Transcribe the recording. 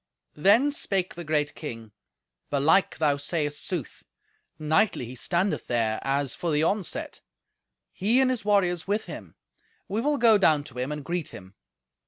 Then spake the great king, "Belike thou sayest sooth. Knightly he standeth there as for the onset—he and his warriors with him. We will go down to him and greet him."